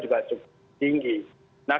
juga cukup tinggi nah